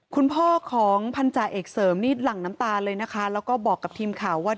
คุณพ่อของพันธาเอกเสริมนี่หลั่งน้ำตาเลยนะคะแล้วก็บอกกับทีมข่าวว่า